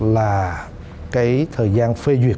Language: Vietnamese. là cái thời gian phê duyệt